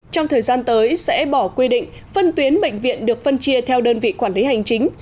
trong thời gian tới sẽ bỏ quy định phân tuyến bệnh viện được phân chia theo đơn vị quản lý hành chính